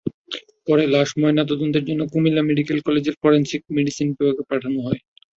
পরে লাশ ময়নাতদন্তের জন্য কুমিল্লা মেডিকেল কলেজের ফরেনসিক মেডিসিন বিভাগে পাঠানো হয়।